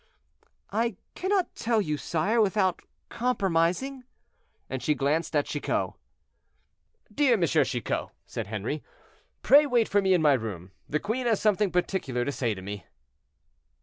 "I cannot tell you, sire, without compromising—" and she glanced at Chicot. "Dear M. Chicot," said Henri, "pray wait for me in my room, the queen has something particular to say to me."